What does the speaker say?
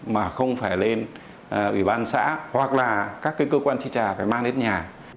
mà không phải lên ủy ban xã hoặc là các cơ quan chi trả phải mang đến nhà